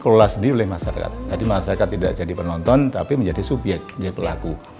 kelola sendiri oleh masyarakat tadi masyarakat tidak jadi penonton tapi menjadi subyek jadi pelaku